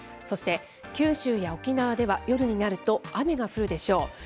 そして九州や沖縄では夜になると雨が降るでしょう。